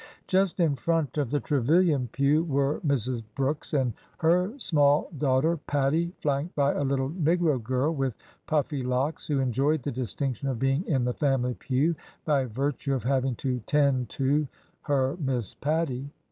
Just in front of the Trevilian pew were Mrs. Brooks and her small daughter, Pattie, flanked by a little negro girl, with puffy locks, who enjoyed the distinction of being in the family pew by virtue of having to '' tend to " her Miss Pattie.